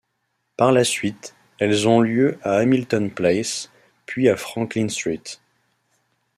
Par la suite elles ont lieu à Hamilton Place, puis à Franklin Street.